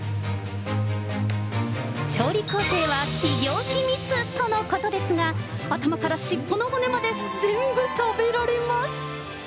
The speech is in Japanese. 調理工程は企業秘密とのことですが、頭からしっぽの骨まで全部食べられます。